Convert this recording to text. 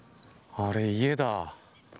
あれ家だ。